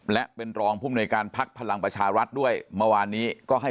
และเป็นรองภูมิหน่วยการพักพลังประชารัฐด้วยเมื่อวานนี้ก็ให้